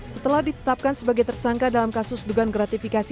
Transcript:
setelah ditetapkan sebagai tersangka dalam kasus dugaan gratifikasi